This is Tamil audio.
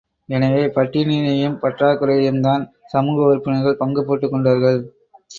எனவே பட்டினியையும் பற்றாக் குறையையும்தான் சமூக உறுப்பினர்கள் பங்கு போட்டுக் கொண்டார்கள்.